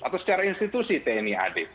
atau secara institusi tni ad